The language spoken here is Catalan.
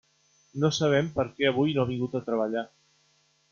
No sabem per què avui no ha vingut a treballar.